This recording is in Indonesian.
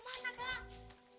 kakak mau kemana kak